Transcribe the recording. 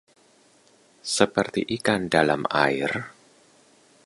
Seperti ikan dalam air